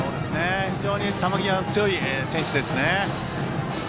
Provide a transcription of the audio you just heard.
非常に球際に強い選手ですね。